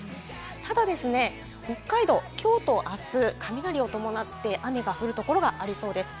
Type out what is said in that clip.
ただ、北海道、今日と明日、雷を伴って雨が降る所がありそうです。